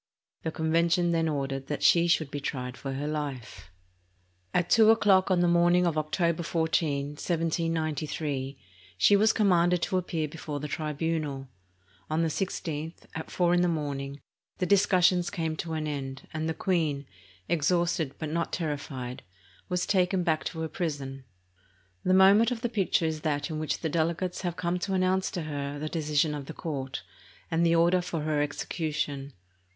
The Convention then ordered that she should be tried for her life. At two o'clock on the morning of October 14, 1793, she was com manded to appear before the tribunal. On the i6th, at four in the morning, the discussions came to an end, and the queen, exhausted but not terrified, was taken back to her prison. The moment of the picture is that in which the delegates have come to announce to her the decision of the court and the order for her execution.